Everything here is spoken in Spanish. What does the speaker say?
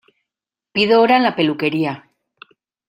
Pido hora en la peluquería.